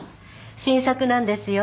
新作なんですよ。